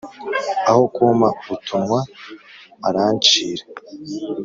Aho kumpa utunwa arancira